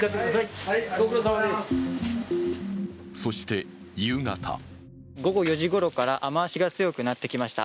そして、夕方午後４時ごろから雨足が強くなってきました。